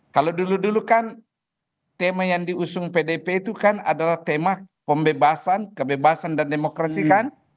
kalau dulu dulu kan tema yang diusung pdp itu kan adalah tema pembebasan kebebasan dan demokrasi kan